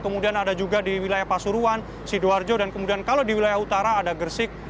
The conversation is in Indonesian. kemudian ada juga di wilayah pasuruan sidoarjo dan kemudian kalau di wilayah utara ada gersik